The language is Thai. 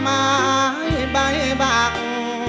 มาพบประมาณใบบัง